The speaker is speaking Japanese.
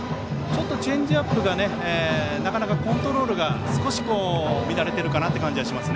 ちょっとチェンジアップがなかなかコントロールが少し乱れてるかなという感じがします。